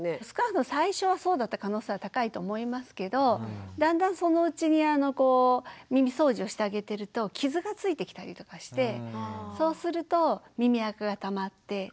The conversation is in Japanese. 少なくとも最初はそうだった可能性は高いと思いますけどだんだんそのうちに耳そうじをしてあげてると傷がついてきたりとかしてそうすると耳あかがたまって。